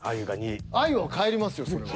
あゆは帰りますよそれは。